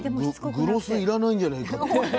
グロスいらないんじゃないかっていう。